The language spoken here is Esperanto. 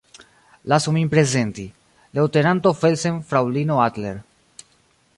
Lasu min prezenti: leŭtenanto Felsen fraŭlino Adler.